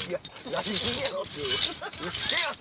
なり過ぎやろ！っていうウソやん！